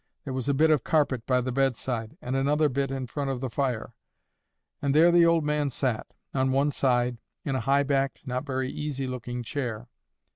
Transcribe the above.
There was a bit of carpet by the bedside, and another bit in front of the fire; and there the old man sat, on one side, in a high backed not very easy looking chair.